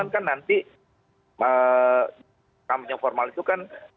kan nanti kampanye formal itu kan